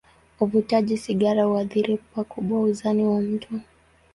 Uvutaji sigara huathiri pakubwa uzani wa mtu.